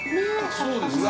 ◆そうですね。